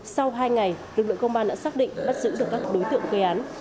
sau hai ngày lực lượng công an đã xác định bắt giữ được các đối tượng gây án